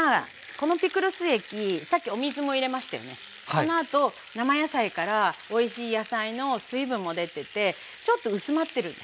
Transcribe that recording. そのあと生野菜からおいしい野菜の水分も出ててちょっと薄まってるんです。